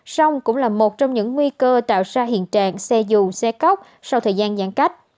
sông cũng là một trong những nguy cơ tạo ra hiện trạng xe dù xe cóc sau thời gian giãn cách